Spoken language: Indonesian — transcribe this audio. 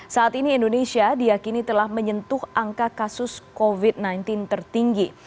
saat ini indonesia diakini telah menyentuh angka kasus covid sembilan belas tertinggi